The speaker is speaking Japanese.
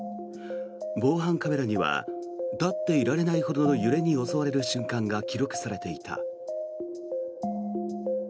防犯カメラには立っていられないほどの揺れに襲われる瞬間が記録されていた。